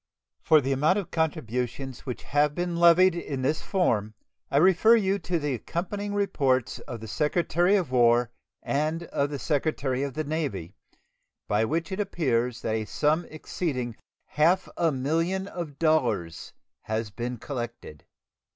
For the amount of contributions which have been levied in this form I refer you to the accompanying reports of the Secretary of War and of the Secretary of the Navy, by which it appears that a sum exceeding half a million of dollars has been collected.